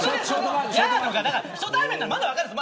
初対面ならまだ分かるんです。